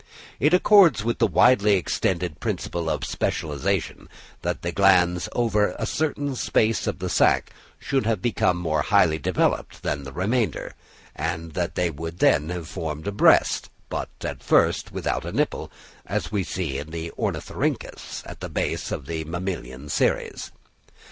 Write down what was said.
It accords with the widely extended principle of specialisation, that the glands over a certain space of the sack should have become more highly developed than the remainder; and they would then have formed a breast, but at first without a nipple, as we see in the Ornithorhyncus, at the base of the mammalian series.